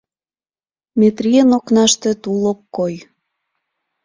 Метрийын окнаште тул ок кой.